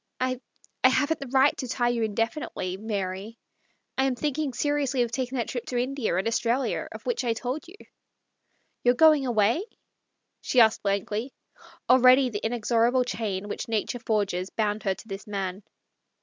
I — I — haven't the right to tie you definitely, Mary. I am thinking seriously of taking that trip to India and Australia of which I told you." "You're — going — away?" she exclaimed blankly. Already the inexorable chain which nature forges bound her to this man.